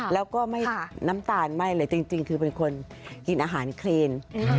แล้วก็ไม่น้ำตาลไหม้เลยจริงคือเป็นคนกินอาหารคลีน